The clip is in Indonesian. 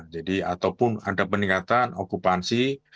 jadi ataupun ada peningkatan okupansi